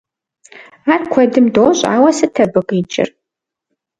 Ар куэдым дощӏэ, ауэ сыт абы къикӏыр?